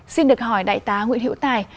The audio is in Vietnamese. xin được hỏi đại tá nguyễn hiễu tài